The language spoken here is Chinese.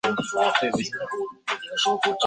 正德十一年五月卒。